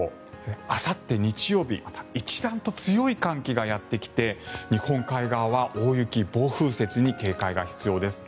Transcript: あさって日曜日また一段と強い寒気がやってきて日本海側は大雪、暴風雪に警戒が必要です。